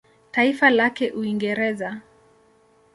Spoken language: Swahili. Taifa lake Uingereza.